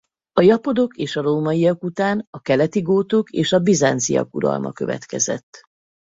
A japodok és a rómaiak után a keleti gótok és a bizánciak uralma következett.